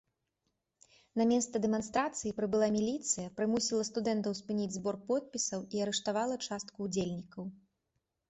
На месца дэманстрацыя прыбыла міліцыя, прымусіла студэнтаў спыніць збор подпісаў і арыштавала частку ўдзельнікаў.